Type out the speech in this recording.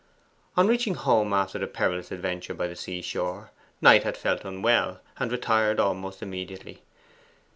On reaching home after the perilous adventure by the sea shore, Knight had felt unwell, and retired almost immediately.